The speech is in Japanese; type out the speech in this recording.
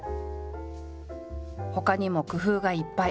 ほかにも工夫がいっぱい。